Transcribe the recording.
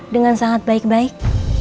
dengan sangat baik baik